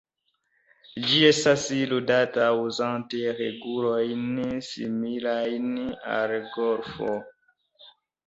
Ĝi estas ludata uzante regulojn similajn al golfo.